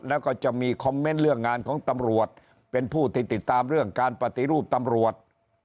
แล้วก็จะมีคอมเมนต์เรื่องงานของตำรวจเป็นผู้ที่ติดตามเรื่องการปฏิรูปตำรวจ